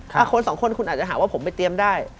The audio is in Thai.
ถ้าคนสองคนคุณอาจจะหาว่าผมไปเตรียมได้